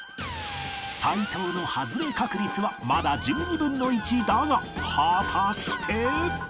齊藤のハズレ確率はまだ１２分の１だが果たして